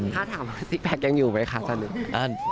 ถ้าถามสิคแพ็คยังอยู่ไหมคะฉัน